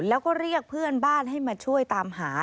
แล้วก็เรียกเพื่อนบ้านให้มาช่วยตามหา